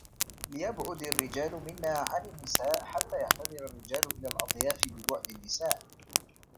لَيَبْعُد الرِّجَالُ مِنَّا عَنْ النِّسَاءِ حَتَّى يَعْتَذِرَ الرِّجَالُ إلَى الْأَضْيَافِ بِبُعْدِ النِّسَاءِ